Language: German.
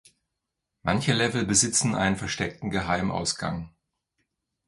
Manche Level besitzen einen versteckten Geheim-Ausgang.